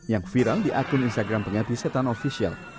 yang viral di akun instagram pengabdi setan ofisial